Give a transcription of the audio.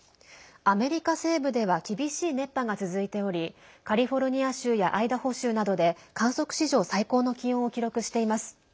アメリカ西部では厳しい熱波が続いておりカリフォルニア州やアイダホ州などで観測史上最高の気温を記録しています。